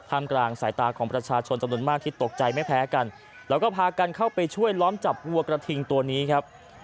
มกลางสายตาของประชาชนจำนวนมากที่ตกใจไม่แพ้กันแล้วก็พากันเข้าไปช่วยล้อมจับวัวกระทิงตัวนี้ครับ